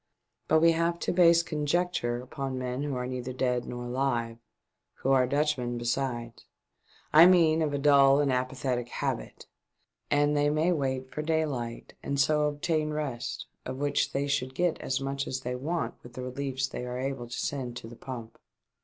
But we have to base conjecture upon men who are neither dead nor alive, who are Dutchmen besides, I mean of a dull and apathetic habit, and they may wait for daylight and so obtain rest, of which they should get as much as they want with the reliefs they are able to send to the pump."